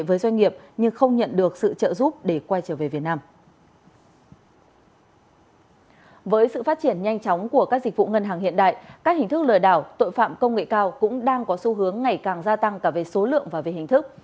với sự phát triển nhanh chóng của các dịch vụ ngân hàng hiện đại các hình thức lừa đảo tội phạm công nghệ cao cũng đang có xu hướng ngày càng gia tăng cả về số lượng và về hình thức